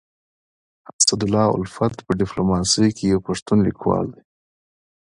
اسدالله الفت په ډيپلوماسي کي يو پښتون ليکوال دی.